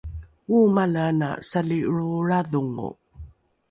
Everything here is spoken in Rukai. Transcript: oomale ana salilroolradhongo